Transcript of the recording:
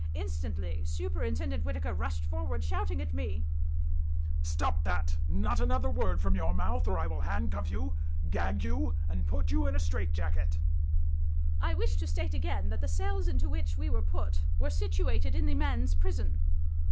.. Instantly Superintendent Whittaker rushed forward, shouting at me, "Stop that; not another word from your mouth, or I will handcuff you, gag you and put you in a straitjacket. .. I wish to state again that the cells into which we were put were situated in the men's prison.